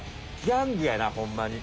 ギャングやなホンマに。